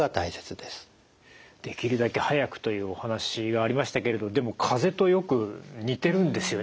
できるだけ早くというお話がありましたけれどでもかぜとよく似てるんですよね。